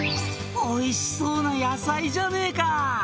「おいしそうな野菜じゃねえか」